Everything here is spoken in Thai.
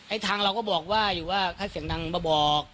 ทางเราก็บอกว่าอยู่ว่าให้เสียงดังมาบอก